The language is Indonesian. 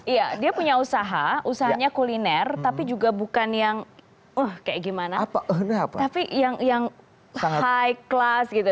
iya dia punya usaha usahanya kuliner tapi juga bukan yang kayak gimana tapi yang yang high class gitu